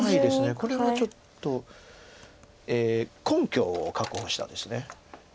これはちょっと根拠を確保したんです。